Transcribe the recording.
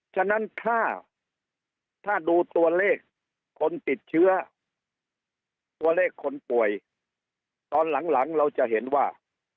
ฉะนั้นถ้าถ้าดูตัวเลขคนติดเชื้อตัวเลขคนป่วยตอนหลังเราจะเห็นว่า